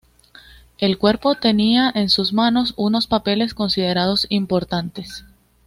El cuerpo tenía en sus manos unos papeles considerados importantes.